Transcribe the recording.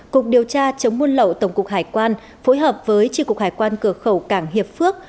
cục điều tra chống muôn lậu tổng cục hải quan phối hợp với tri cục hải quan cửa khẩu cảng hiệp phước